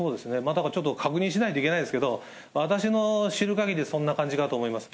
だからちょっと確認しないといけないですけど、私の知るかぎり、そんな感じかと思います。